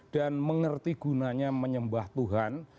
dan mengerti gunanya menyembah tuhan